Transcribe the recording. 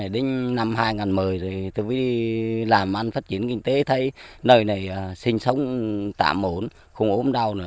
đến năm hai nghìn một mươi thì tôi mới làm ăn phát triển kinh tế thấy nơi này sinh sống tạm ổn không ốm đau nữa